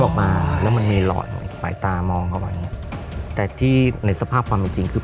บอกมาแล้วมันมีหลอดสายตามองเขาแบบนี้แต่ที่ในสภาพความจริงคือ